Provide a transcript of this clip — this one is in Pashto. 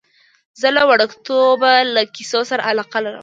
زه له وړکتوبه له کیسو سره علاقه لرم.